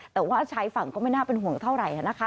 แต่ว่าชายฝั่งก็ไม่น่าเป็นห่วงเท่าไหร่นะคะ